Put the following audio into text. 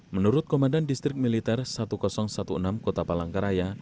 menurut komandan distrik militer seribu enam belas kota palangkaraya